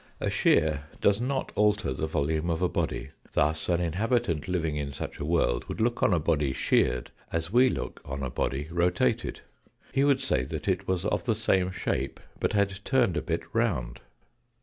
A shear does not alter the volume of a body : thus an inhabitant living in such a world would look on a body sheared as we look on a body rotated. He would say that it was of the same shape, but had turned a bit round.